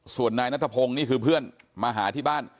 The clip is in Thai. ส่วนนายนัทพงศ์นี่คือเพื่อนมาหาที่บ้าน